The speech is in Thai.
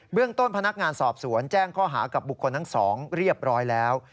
เรื่องต้นพนักงานสอบสวนแจ้งข้อหากับบุคคลทั้งสองเรียบร้อยแล้ว